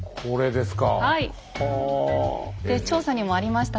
で調査にもありました